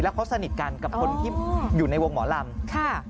เขาสนิทกันกับคนที่อยู่ในวงหมอลำ